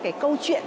cái câu chuyện